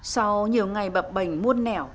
sau nhiều ngày bập bệnh muôn nẻo